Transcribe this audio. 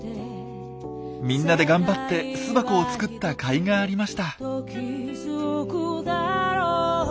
みんなで頑張って巣箱を作ったかいがありました。